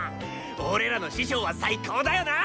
俺らの師匠は最高だよなぁ